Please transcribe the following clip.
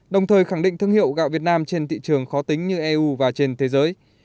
đồng thời khẳng định thương hiệu gạo việt nam trên thị trường khó tính như eu và trên thế giới